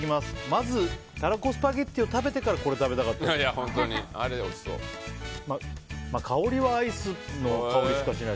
まず、たらこスパゲティを食べてからこれ食べたかったな。